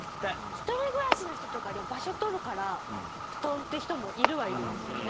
一人暮らしの人とかはでも場所とるから布団っていう人もいるはいるんですよね。